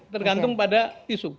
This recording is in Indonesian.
tergantung pada isu